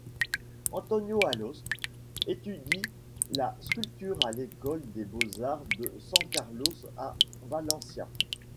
Antonio Alos étudie la sculpture à l'école des Beaux-Arts de San Carlos à Valencia.